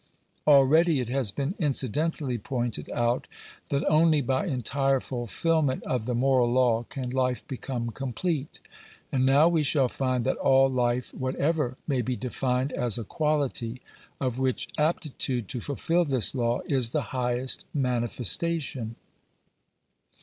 Already it has been incidentally pointed out that only by entire fulfilment of the moral law can life become complete (p. 195) ; and now we shall find that all life whatever may be defined as a quality, of which aptitude to fulfil this law is the highest manifestation.